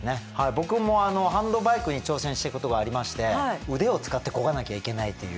僕もハンドバイクに挑戦したことがありまして腕を使ってこがなきゃいけないという。